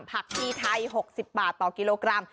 ผักชีไทย๖๐บาทต่อกิโลกรัม